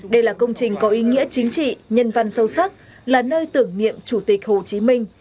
đây là công trình có ý nghĩa chính trị nhân văn sâu sắc là nơi tưởng niệm chủ tịch hồ chí minh